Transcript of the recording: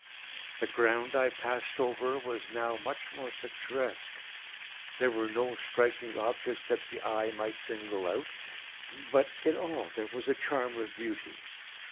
The ground I passed over was now much more picturesque. There were no striking objects that the eye might single out; but in all there was a charm of beauty.